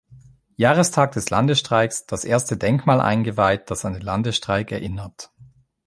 Jahrestag des Landesstreiks, das erste Denkmal eingeweiht, das an den Landesstreik erinnert.